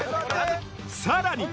さらに！